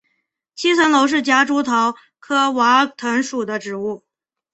七层楼是夹竹桃科娃儿藤属的植物。